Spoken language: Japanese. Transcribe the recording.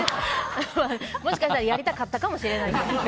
もしかしたらやりたかったかもしれないけど。